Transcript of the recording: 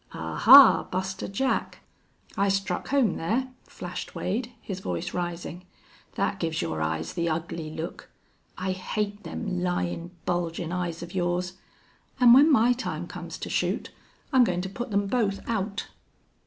"Aha, Buster Jack! I struck home there," flashed Wade, his voice rising. "That gives your eyes the ugly look.... I hate them lyin', bulgin' eyes of yours. An' when my time comes to shoot I'm goin' to put them both out."